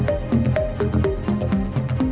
ya atas itu